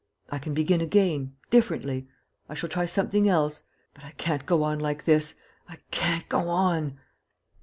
I can begin again, differently. ... I shall try something else ... but I can't go on like this, I can't go on.